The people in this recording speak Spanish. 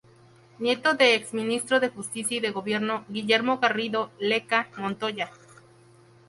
Nieto del ex ministro de justicia y de gobierno Guillermo Garrido Lecca Montoya.